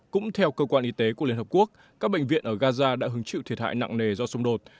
cũng theo cơ quan y tế của liên hợp quốc các bệnh viện ở gaza đã hứng chịu thiệt hại nặng nề do xung đột